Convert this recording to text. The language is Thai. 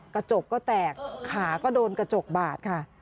กระจกก็แตกขาก็โดนกระจกบาดค่ะ